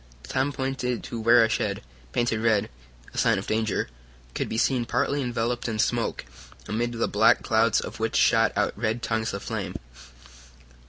Tom pointed to where a shed, painted red a sign of danger could be seen partly enveloped in smoke, amid the black clouds of which shot out red tongues of flame.